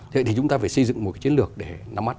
thế thì chúng ta phải xây dựng một cái chiến lược để nắm mắt